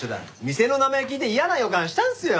店の名前聞いて嫌な予感したんすよ。